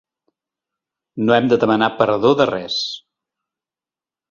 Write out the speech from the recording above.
No hem de demanar perdó de res.